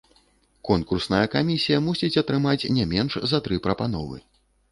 Конкурсная камісія мусіць атрымаць не менш за тры прапановы.